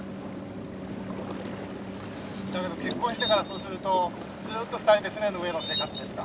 だけど結婚してからそうするとずっと２人で船の上の生活ですか？